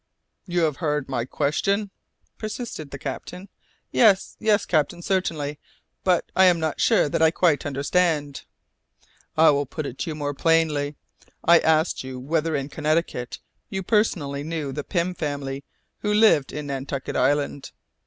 "You have heard my question?" persisted the captain. "Yes, yes, captain, certainly, but I am not sure that I quite understand." "I will put it to you more plainly. I ask you whether in Connecticut you personally knew the Pym family who lived in Nantucket Island?